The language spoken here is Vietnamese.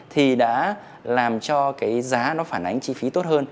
thì đã làm cho cái giá nó phản ánh chi phí tốt hơn